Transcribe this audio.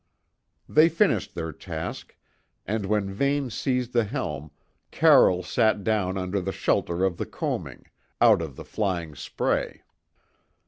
They finished their task, and when Vane seized the helm Carroll sat down under the shelter of the coaming, out of the flying spray.